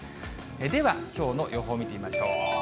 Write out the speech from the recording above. では、きょうの予報見てみましょう。